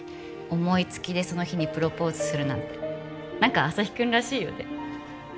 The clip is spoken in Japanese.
思いつきでその日にプロポーズするなんてなんか旭君らしいよね